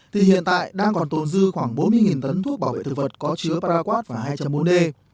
thì hiện tại đang còn tồn dư khoảng bốn mươi tấn thuốc bảo vệ thực vật có chứa paraquat và hai bốn d